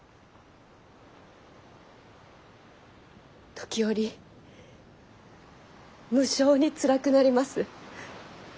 時折無性につらくなります。